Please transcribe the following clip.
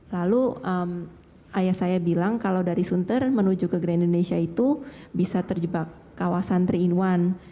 lalu ayah saya bilang kalau dari sunter menuju ke grand indonesia itu bisa terjebak kawasan tiga in satu